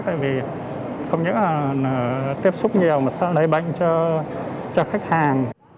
tại vì không những là tiếp xúc nhiều mà sẽ lấy bệnh cho khách hàng